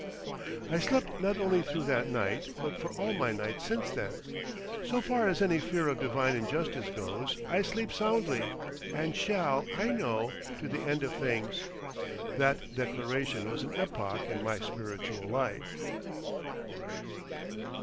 I slept not only through that night, but for all my nights since then. So far as any fear of Divine injustice goes, I sleep soundly, and shall, I know, to the end of things. That declaration was an epoch in my spiritual life.